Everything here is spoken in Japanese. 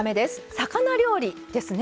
魚料理ですね